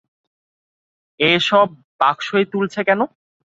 এ-সব বাক্সয় তুলেছ কেন?